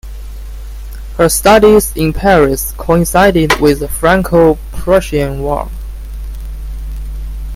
Her studies in Paris coincided with the Franco-Prussian War.